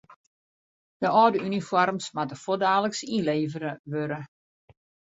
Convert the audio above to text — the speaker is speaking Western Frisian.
De âlde unifoarms moatte fuortdaliks ynlevere wurde.